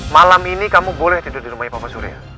malam ini kamu boleh tidur di rumahnya bapak surya